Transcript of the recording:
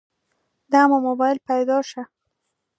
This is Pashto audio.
دمو مباييل پيدو شه.